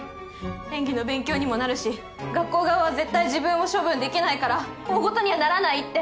演技の勉強にもなるし学校側は絶対自分を処分できないから大ごとにはならないって。